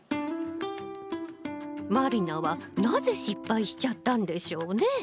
満里奈はなぜ失敗しちゃったんでしょうね。